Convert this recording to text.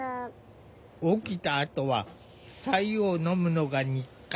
起きたあとはさ湯を飲むのが日課。